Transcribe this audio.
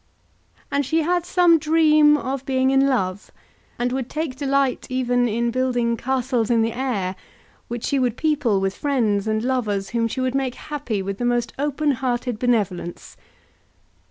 And she had some dream of being in love, and would take delight even in building castles in the air, which she would people with friends and lovers whom she would make happy with the most open hearted benevolence.